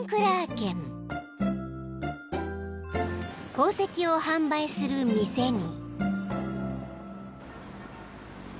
［宝石を販売する店に］